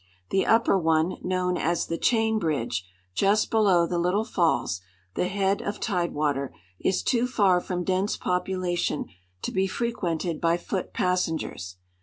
Tlie upper one, known as the Chain bridge, just below the Little falls, the head of tide water, is too far from dense population to be frequented by foot passengers.